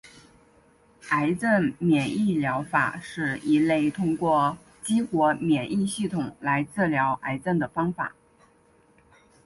癌症免疫疗法是一类通过激活免疫系统来治疗癌症的方法。